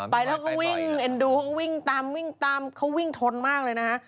ไปแล้วก็วิ่งเอ็นดูเขาวิ่งตามวิ่งตามเขาวิ่งทนมากเลยนะฮะ